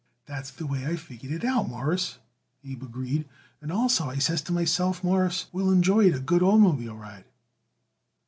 "That's the way I figured it out, Mawruss," Abe agreed; "and also, I says to myself, Mawruss will enjoy it a good oitermobile ride."